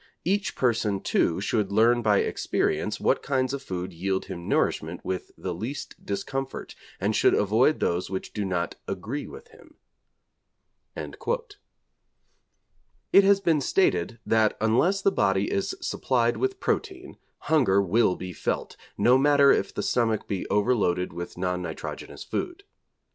Each person, too, should learn by experience what kinds of food yield him nourishment with the least discomfort, and should avoid those which do not "agree" with him.' It has been stated that unless the body is supplied with protein, hunger will be felt, no matter if the stomach be over loaded with non nitrogenous food.